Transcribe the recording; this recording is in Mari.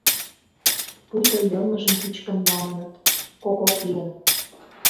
Пуйто йылмыжым пӱчкын налыныт, кокок лийын.